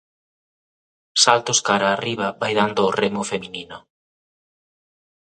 Saltos cara arriba vai dando o remo feminino.